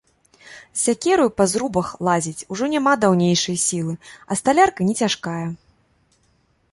З сякераю па зрубах лазіць ужо няма даўнейшай сілы, а сталярка не цяжкая.